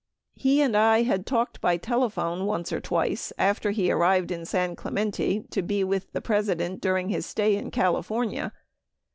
He and I had talked bv telephone once or twice after he arrived in San Clemente to be with the President during his stay in California.